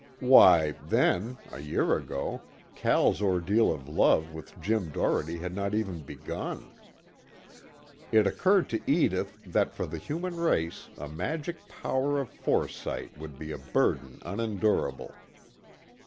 Why, then, a year ago, Cal's ordeal of love with Jim Doherty had not even begun. It occurred to Edith that for the human race a magic power of foresight would be a burden unendurable.